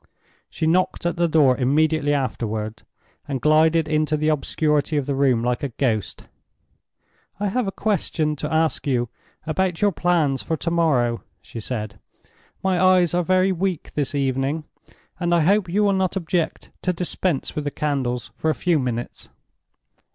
She knocked at the door immediately afterward, and glided into the obscurity of the room like a ghost. "I have a question to ask you about your plans for to morrow," she said. "My eyes are very weak this evening, and I hope you will not object to dispense with the candles for a few minutes."